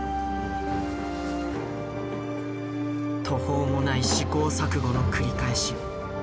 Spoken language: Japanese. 途方もない試行錯誤の繰り返し。